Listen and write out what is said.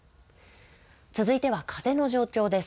続いては風の状況です。